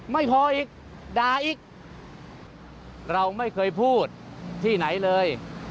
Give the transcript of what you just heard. ไม่พออีกด่าอีกเราไม่เคยพูดที่ไหนเลย